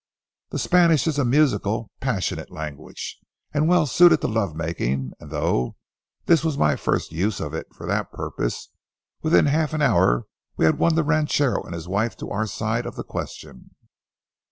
The Spanish is a musical, passionate language and well suited to love making, and though this was my first use of it for that purpose, within half an hour we had won the ranchero and his wife to our side of the question.